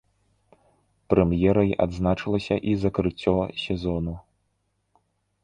Прэм'ерай адзначылася і закрыццё сезону.